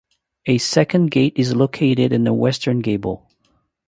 A second gate is located in the western gable.